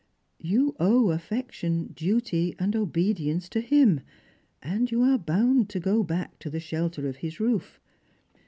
You owe aifectiou, duty, obedience to him, and you are bound to go back to the shelter of his roof.